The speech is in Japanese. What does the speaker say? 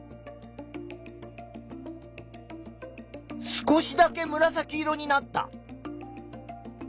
少しだけむらさき色になった。